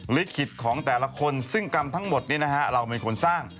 ลิขิตของแต่ละคนซึ่งกรรมทั้งหมดนี้นะฮะเราเป็นคนสร้าง